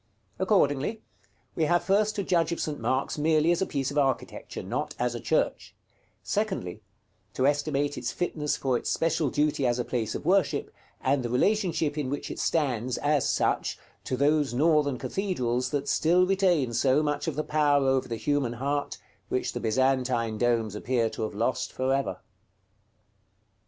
Accordingly, we have first to judge of St. Mark's merely as a piece of architecture, not as a church; secondly, to estimate its fitness for its special duty as a place of worship, and the relation in which it stands, as such, to those northern cathedrals that still retain so much of the power over the human heart, which the Byzantine domes appear to have lost for ever.